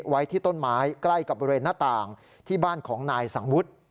ไว้ที่ต้นไม้ใกล้กับบริเวณหน้าต่างที่บ้านของนายสังวุฒิ